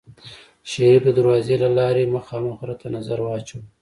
شريف د دروازې له لارې مخامخ غره ته نظر واچوه.